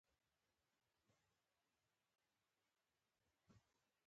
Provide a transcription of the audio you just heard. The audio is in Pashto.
ستاسو مېرمن تر اوسه ستاسو په کور کې وه.